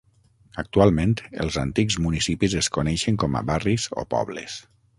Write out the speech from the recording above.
Actualment els antics municipis es coneixen com a barris o pobles.